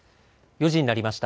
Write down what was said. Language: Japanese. ４時になりました。